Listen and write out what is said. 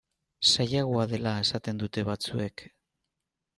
Zailagoa dela esaten dute batzuek.